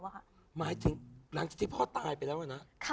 หมายถึงหลังจากที่พ่อตายไปแล้วนะ